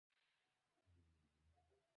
বুঝা না একে, আদিতি!